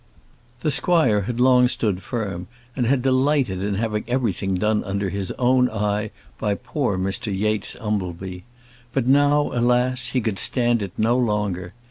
The squire had long stood firm, and had delighted in having everything done under his own eye by poor Mr Yates Umbleby. But now, alas! he could stand it no longer.